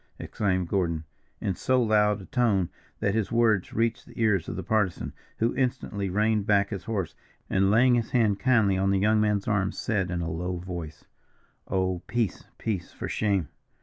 exclaimed Gordon, in so loud a tone that his words reached the ears of the Partisan, who instantly reined back his horse, and laying his hand kindly on the young man's arm, said, in a low voice: "Oh, peace, peace, for shame!